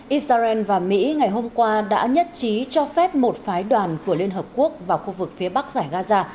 israel và mỹ ngày hôm qua đã nhất trí cho phép một phái đoàn của liên hợp quốc vào khu vực phía bắc giải gaza